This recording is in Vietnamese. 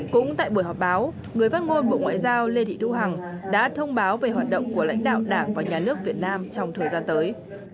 cũng tại buổi họp báo người phát ngôn bộ ngoại giao lê thị thu hằng đã thông báo về hoạt động của lãnh đạo đảng và nhà nước việt nam trong thời gian tới